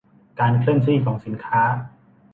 การเคลื่อนที่ของสินค้า